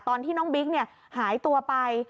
ตอนที่น้องบิ๊กหายตัวไป